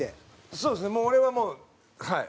そうですね俺はもうはい。